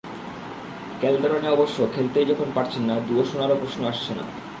ক্যালদেরনে অবশ্য খেলতেই যখন পারছেন না, দুয়ো শোনারও প্রশ্ন আসছে না।